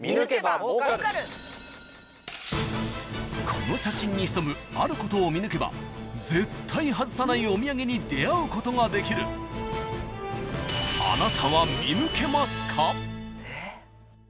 ［この写真に潜むあることを見抜けば絶対外さないお土産に出合うことができる］マーク！？